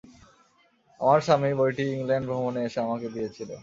আমার স্বামী বইটি ইংল্যান্ড ভ্রমনে এসে আমাকে দিয়েছিল।